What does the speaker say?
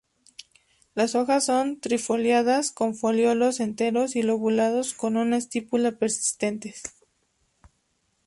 Las hojas son tri-folioladas, con folíolos enteros o lobulados y con estípulas persistentes.